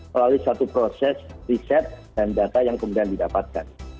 melalui satu proses riset dan data yang kemudian didapatkan